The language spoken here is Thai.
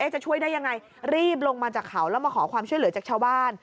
จะช่วยได้ยังไงรีบลงมาจากเขาแล้วมาขอความช่วยเหลือจากชาวบ้าน